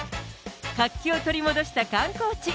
活気を取り戻した観光地。